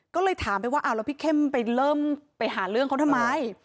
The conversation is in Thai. ก็เลยถามไปว่าอ้าวแล้วพี่เข้มไปเริ่มไปหาเรื่องเขาทำไม